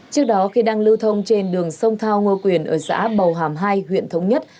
trước đó khi đang lưu thông trên đường sông thao ngô quyền ở xã bầu hàm hai huyện thống nhất